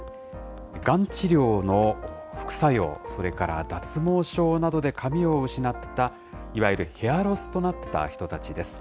がん治療の副作用、それから脱毛症などで髪を失った、いわゆるヘアロスとなった人たちです。